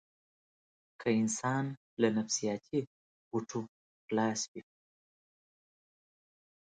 که انسان له نفسياتي غوټو خلاص وي.